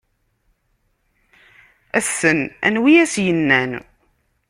Ass-n anwi i d as-yennan.